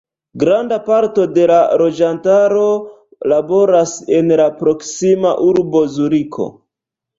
Granda parto de la loĝantaro laboras en la proksima urbo Zuriko.